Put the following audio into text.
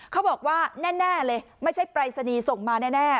เขาบอกว่าแน่เลยไม่ใช่ปรายศนีย์ส่งมาแน่